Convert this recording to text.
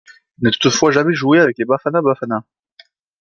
Il n'a toutefois jamais joué avec les Bafana Bafana.